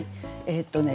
えっとね